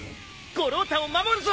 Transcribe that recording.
五郎太を守るぞ！